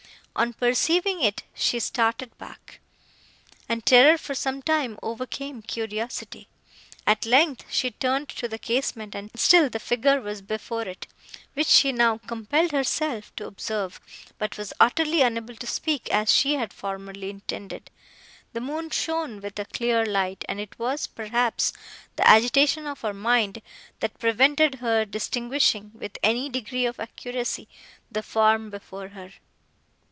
On perceiving it, she started back, and terror for some time overcame curiosity;—at length, she returned to the casement, and still the figure was before it, which she now compelled herself to observe, but was utterly unable to speak, as she had formerly intended. The moon shone with a clear light, and it was, perhaps, the agitation of her mind, that prevented her distinguishing, with any degree of accuracy, the form before her.